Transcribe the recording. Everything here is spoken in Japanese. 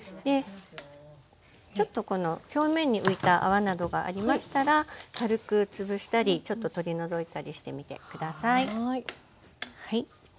ちょっとこの表面に浮いた泡などがありましたら軽く潰したりちょっと取り除いたりしてみて下さい。